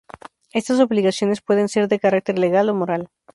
Estas obligaciones pueden ser de carácter legal o moral.